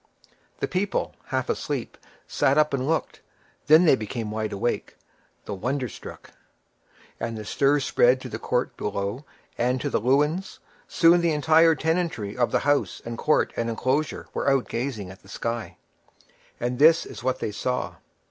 The people, half asleep, sat up and looked; then they became wide awake, though wonder struck. And the stir spread to the court below, and into the lewens; soon the entire tenantry of the house and court and enclosure were out gazing at the sky. And this was what they saw.